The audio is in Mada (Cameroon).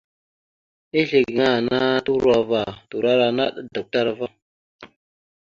Ezle gaŋa ana turo ava turora naɗ adukətar ava.